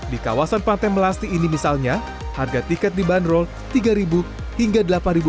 di kawasan pantai melasti ini misalnya harga tiket dibanderol rp tiga hingga rp delapan